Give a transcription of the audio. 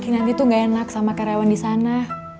nanti tuh gak enak sama karyawan disana